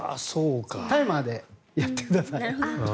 タイマーでやってください。